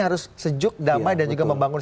harus sejuk damai dan juga membangun